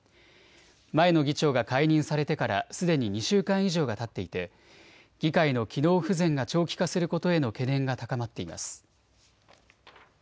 前の議長が解任されてからすでに２週間以上がたっていて議会の機能不全が長期化することへの懸念が高まっています。